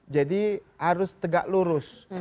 jadi harus tegak lurus